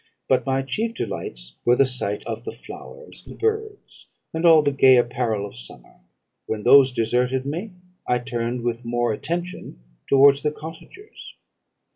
But my chief delights were the sight of the flowers, the birds, and all the gay apparel of summer; when those deserted me, I turned with more attention towards the cottagers.